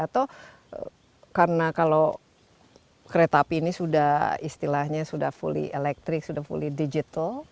atau karena kalau kereta api ini sudah istilahnya sudah fully elektrik sudah fully digital